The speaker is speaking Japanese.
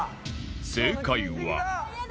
正解は